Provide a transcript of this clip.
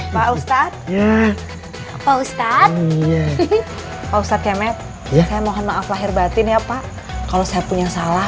pak ustadz pak ustadz pak ustadz kemet saya mohon maaf lahir batin ya pak kalau saya punya salah